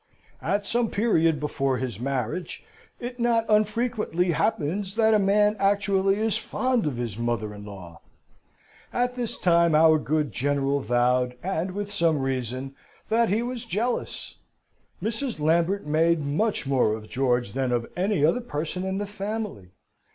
At some period before his marriage, it not unfrequently happens that a man actually is fond of his mother in law! At this time our good General vowed, and with some reason, that he was jealous. Mrs. Lambert made much more of George than of any other person in the family.